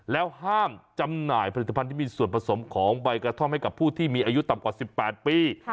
แล้วห้ามจำหน่ายผลิตภัณฑ์ที่มีส่วนผสมของใบกระท่อมให้กับผู้ที่มีอายุต่ำกว่า๑๘ปี